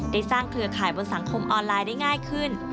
สร้างเครือข่ายบนสังคมออนไลน์ได้ง่ายขึ้น